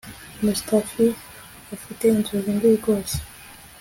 Mustaffi afite inzozi mbi rwose